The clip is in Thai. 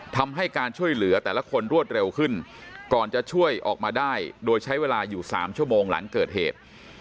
ทำให้การช่วยเหลือแต่ละคนรวดเร็วขึ้นก่อนจะช่วยออกมาได้โดยใช้เวลาอยู่๓ชั่วโมงหลังเกิดเหตุ